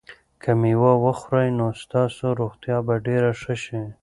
که مېوه وخورئ نو ستاسو روغتیا به ډېره ښه شي.